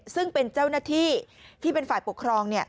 ซึ่งเป็นเจ้าหน้าที่ที่เป็นฝ่ายปกครอง